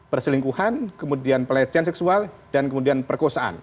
perselingkuhan kemudian pelecehan seksual dan kemudian perkosaan